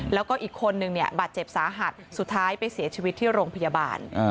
แล้วก็อีกคนนึงเนี่ยบาดเจ็บสาหัสสุดท้ายไปเสียชีวิตที่โรงพยาบาล